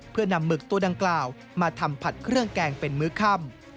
เพื่อนำหมึกตัวดังกล่าวมาทำผัดเครื่องแกงเป็นมื้อค่ำ